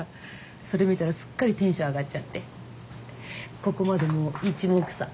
それ見たらすっかりテンション上がっちゃってここまでもういちもくさん。